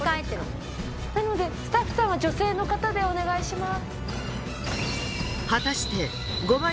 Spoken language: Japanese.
なのでスタッフさんは女性の方でお願いします。